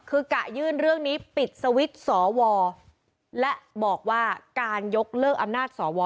คือกะยื่นเรื่องนี้ปิดสวิตช์สวและบอกว่าการยกเลิกอำนาจสว